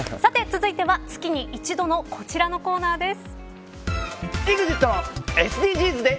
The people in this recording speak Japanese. さて、続いては月に一度のこちらのコーナーです。